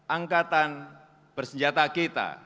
angkatan bersenjata kita